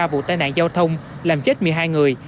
ba mươi ba vụ tai nạn giao thông làm chết một mươi hai người